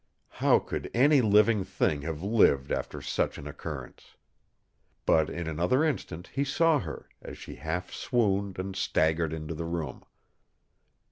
How could any living thing have lived after such an occurrence? But in another instant he saw her, as she half swooned and staggered into the room.